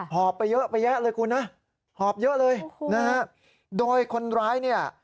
อบไปเยอะไปแยะเลยคุณนะหอบเยอะเลยนะฮะโดยคนร้ายเนี่ย